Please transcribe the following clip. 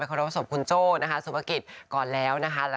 ไปครอบครัวศพคนโจ้สุพกิตก่อนแล้วนะคะ